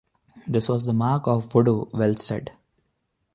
This was the mark of the voodoo, Welles said.